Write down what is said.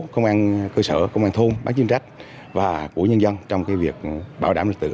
công an cơ sở công an thôn bán chính trách và của nhân dân trong cái việc bảo đảm lực tượng